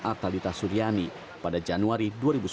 atalita suryani pada januari dua ribu sepuluh